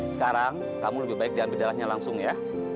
sekarang kamu lebih baik diambil darahnya langsung ya